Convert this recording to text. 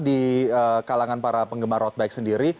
di kalangan para penggemar road bike sendiri